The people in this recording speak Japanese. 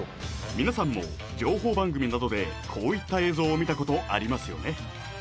皆さんも情報番組などでこういった映像を見たことありますよね？